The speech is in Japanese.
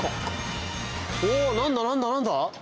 おお何だ何だ何だ？